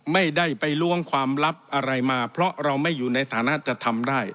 ไม่ได้ไปล้วงความลับอะไรมาเพราะเราไม่อยู่ในฐานะจะทำได้